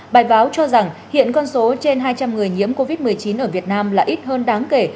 bài báo cho rằng hiện con số trên hai trăm linh người nhiễm covid một mươi chín ở việt nam là ít hơn đáng kể